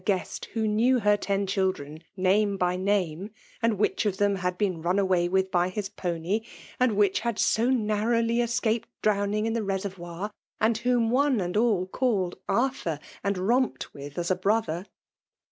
guest who knew her ten children name by name, and iribich of them had been ran away with by his pony, and which had so nanowly escaped drowning in the reservoir, and whom one and all called " Arthur/' and romped with as a brother.